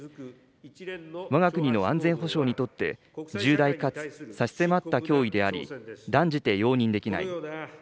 わが国の安全保障にとって、重大かつ差し迫った脅威であり、断じて容認できない。